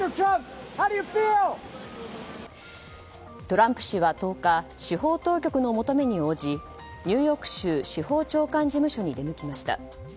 トランプ氏は１０日司法当局の求めに応じニューヨーク州司法長官事務所に出向きました。